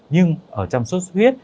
nhưng ở trong số suất huyết